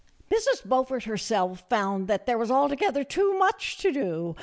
Mrs. Beaufort herself found that there was altogether too much to do.